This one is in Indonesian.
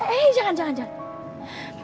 eh jangan jangan jangan